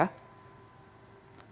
selamat sore ya